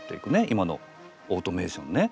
今のオートメーションね。